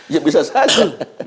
ya bisa saja